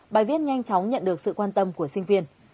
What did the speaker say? bài viết nhanh chóng nhận được sự quan tâm của sinh viên